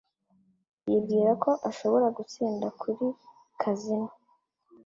Yibwira ko ashobora gutsinda kuri kazino.